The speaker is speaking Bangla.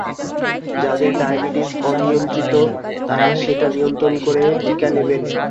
যাদের ডায়াবেটিস অনিয়ন্ত্রিত তাঁরা সেটা নিয়ন্ত্রণ করে টিকা নেবেন।